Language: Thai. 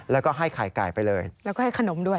แล้วก็ให้ไข่ไก่ไปเลยแล้วก็ให้ขนมด้วย